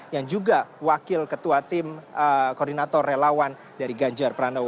yang juga wakil ketua tim koordinator relawan dari ganjar pranowo